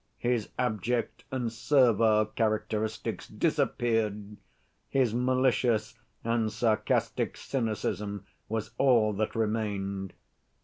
His abject and servile characteristics disappeared, his malicious and sarcastic cynicism was all that remained.